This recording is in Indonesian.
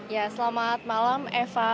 ya selamat malam eva